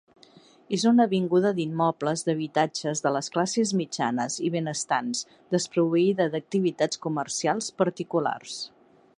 És una avinguda d'immobles d'habitatges de les classes mitjanes i benestants, desproveïda d'activitats comercials particulars.